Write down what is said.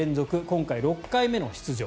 今回６回目の出場。